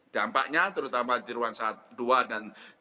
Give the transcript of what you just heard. dampaknya terutama di ruang dua dan dua